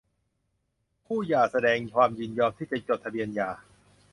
คู่หย่าแสดงความยินยอมที่จะจดทะเบียนหย่า